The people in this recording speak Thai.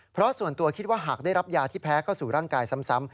เพราะส่วนตัวคิดว่าหากได้รับยาที่แพ้เข้าสู่ร่างกายซ้ำ